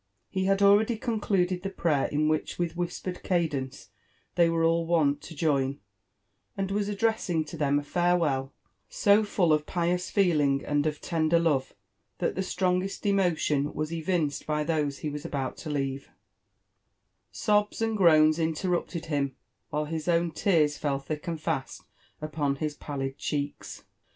He had already Concluded the prater tn ^hich with whispered cadence they were M wont to join, Und was addressing totheift a farewell so full of pious feeling and of tendet lovfe/ thftt the strongest emotion wets evinced by 1(hosehe iRfas about to lcdv6; ^sobs and groans interrupted him, while his ox^n leaf 8 fell thick and fist upon his pallid cheeltt.